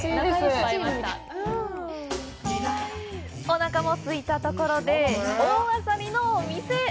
おなかもすいたところで大あさりのお店へ！